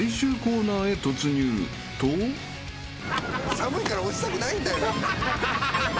寒いから落ちたくないんだよ。